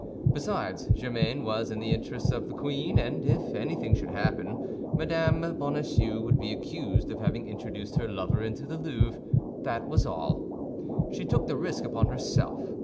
Besides, Germain was in the interests of the queen; and if anything should happen, Mme. Bonacieux would be accused of having introduced her lover into the Louvre, that was all. She took the risk upon herself.